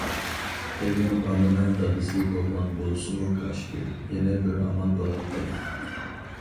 ئەگەر بالىنىڭ دادىسى بولغان بولسىمۇ كاشكى، يەنە بىر ئامال بولاتتى.